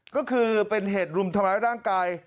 ก็คือเป็นเหตุรุมทำร้ายร่างกาย